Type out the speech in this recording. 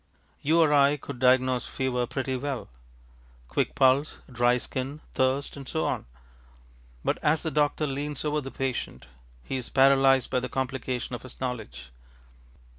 You or I could diagnose fever pretty well quick pulse, dry skin, thirst, and so on. But as the doctor leans over the patient, he is paralysed by the complication of his knowledge.